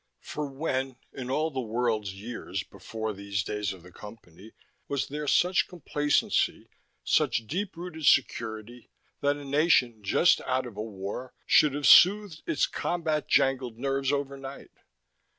For when, in all the world's years before these days of the Company, was there such complacency, such deep rooted security, that a nation just out of a war should have soothed its combat jangled nerves overnight?